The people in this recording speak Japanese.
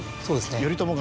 頼朝が。